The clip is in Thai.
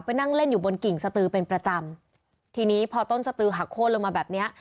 นั่งเล่นอยู่บนกิ่งสตือเป็นประจำทีนี้พอต้นสตือหักโค้นลงมาแบบเนี้ย